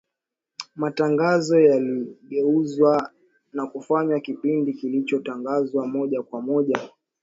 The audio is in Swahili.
matangazo yaligeuzwa na kufanywa kipindi kilichotangazwa moja kwa moja